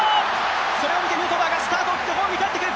それを見て、ヌートバーがスタートを切ってホームに帰ってくる。